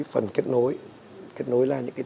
phần kết nối kết nối là những cái